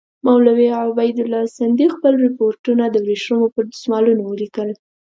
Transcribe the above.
مولوي عبیدالله سندي خپل رپوټونه د ورېښمو پر دسمالونو ولیکل.